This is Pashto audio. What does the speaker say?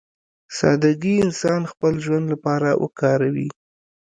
سادهګي انسان خپل ژوند لپاره وکاروي.